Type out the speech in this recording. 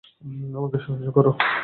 আমাকে সাহায্য কর!